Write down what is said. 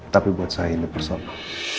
tapi buat saya ini persoalan